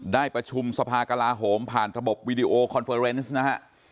ได้ประชุมสภากลาโหมผ่านระบบวีดีโอคอนเฟอร์เนสนะฮะ